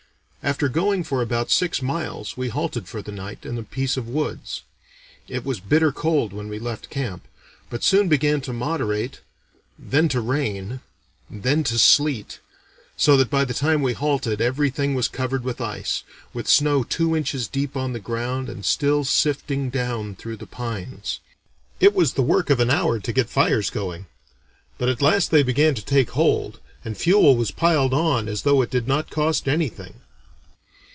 After going for about six miles we halted for the night, in a piece of woods. It was bitter cold when we left camp, but soon began to moderate, then to rain, then to sleet; so that by the time we halted, everything was covered with ice, with snow two inches deep on the ground, and still sifting down through the pines. It was the work of an hour to get fires going, but at last they began to take hold, and fuel was piled on as though it did not cost anything.